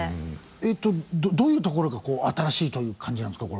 えっとどういうところが新しいという感じなんですか？